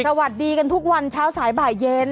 สวัสดีกันทุกวันเช้าสายบ่ายเย็น